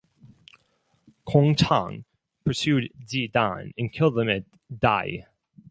Kong Chang pursued Ji Dan and killed him at Dai.